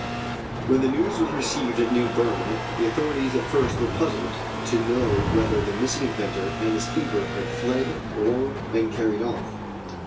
When the news was received at New Berne, the authorities at first were puzzled to know whether the missing inventor and his keeper had fled or been carried off.